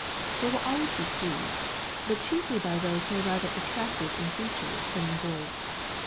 They will always be pleased, but chiefly by those who are rather attractive in features than in voice.